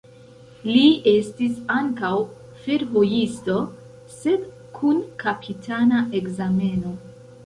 Li estis ankaŭ fervojisto, sed kun kapitana ekzameno.